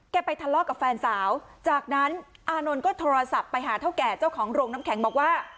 ไปทะเลาะกับแฟนสาวจากนั้นอานนท์ก็โทรศัพท์ไปหาเท่าแก่เจ้าของโรงน้ำแข็งบอกว่า